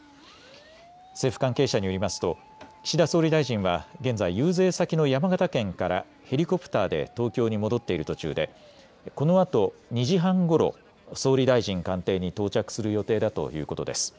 政府関係者によりますと岸田総理大臣は現在、遊説先の山形県からヘリコプターで東京に戻っている途中でこのあと２時半ごろ、総理大臣官邸に到着する予定だということです。